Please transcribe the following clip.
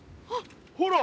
ほら。